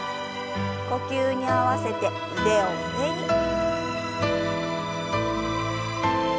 呼吸に合わせて腕を上に。